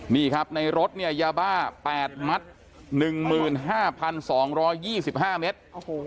นี่ครับในรถเนี่ยยาบ้า๘มัตต์๑๕๐๐๐บาทส่องรอ๒๕เมตร